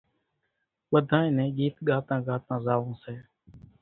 ٻڌانئين نين ڳيت ڳاتان ڳاتان زاوون سي